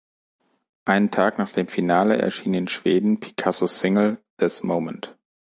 Einen Tag nach dem Finale erschien in Schweden Picassos Single "This Moment".